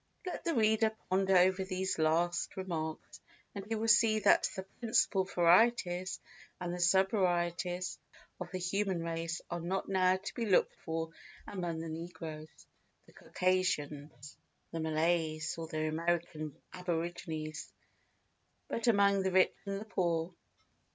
Let the reader ponder over these last remarks, and he will see that the principal varieties and sub varieties of the human race are not now to be looked for among the negroes, the Circassians, the Malays, or the American aborigines, but among the rich and the poor.